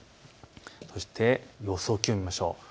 そして予想気温を見ましょう。